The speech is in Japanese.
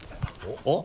あっ？